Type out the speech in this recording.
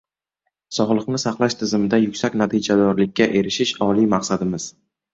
Sog‘liqni saqlash tizimida yuksak natijadorlikka erishish oliy maqsadimiz